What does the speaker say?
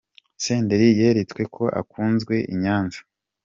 Senderi yeretswe ko akunzwe i Nyanza.